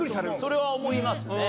それは思いますね。